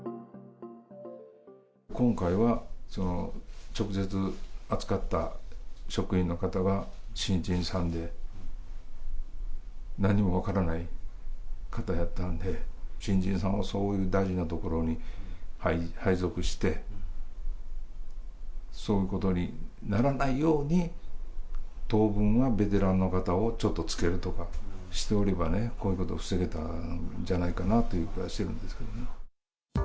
今回は、直接扱った職員の方が新人さんで、なんにも分からない方やったんで、新人さんをそういう大事なところに配属して、そういうことにならないように、当分はベテランの方をちょっとつけるとかしていれば、こういうことを防げたのではないかという気はしてるんですけどね。